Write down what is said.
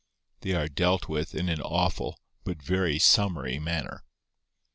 They are dealt with in an awful but very summary manner.